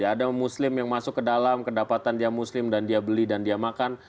ada muslim yang masuk ke dalam kedapatan dia muslim dan dia beli dan dia makan